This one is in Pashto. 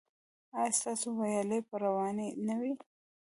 ایا ستاسو ویالې به روانې نه وي؟